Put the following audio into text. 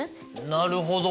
なるほど。